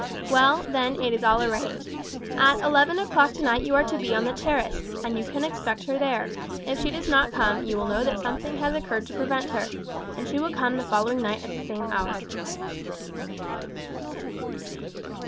Well, then, it is all arranged. At eleven o'clock tonight you are to be on the terrace, and you can expect her there. If she does not come you will know that something has occurred to prevent her, and she will come the following night at the same hour."